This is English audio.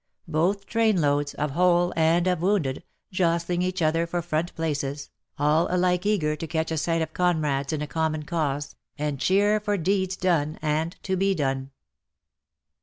Both train loads — of whole and of wounded — ^jostling each other for front places, all alike eager to catch a sight of comrades in a common cause, and cheer for deeds done and to be done.